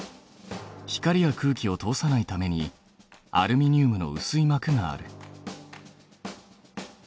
光や空気を通さないためにアルミニウムのうすいまくがある。